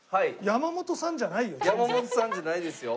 山本さんじゃないですよ。